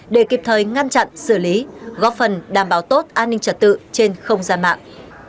để kịp thời ngăn chặn xử lý góp phần đảm bảo tốt an ninh trật tự trên không gian mạng